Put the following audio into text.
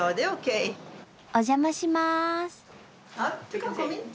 お邪魔します。